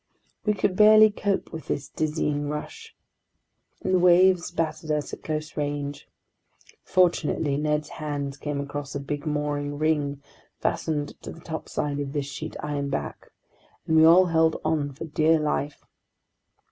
We could barely cope with this dizzying rush, and the waves battered us at close range. Fortunately Ned's hands came across a big mooring ring fastened to the topside of this sheet iron back, and we all held on for dear life.